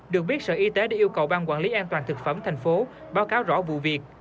được biết sở y tế đã yêu cầu ban quản lý an toàn thực phẩm thành phố báo cáo rõ vụ việc